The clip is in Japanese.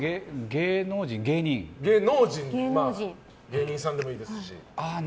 芸人さんでもいいですし。